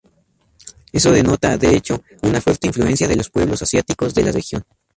Eso denota, de hecho, una fuerte influencia de los pueblos asiáticos de la región.